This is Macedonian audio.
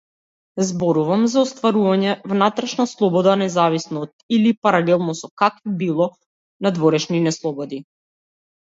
Зборувам за остварување внатрешна слобода независно од или паралелно со какви било надворешни неслободи.